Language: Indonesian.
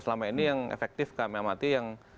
selama ini yang efektif kak melmati yang